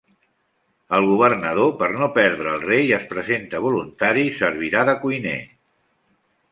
El governador, per no perdre el rei, es presenta voluntari, i servirà de cuiner.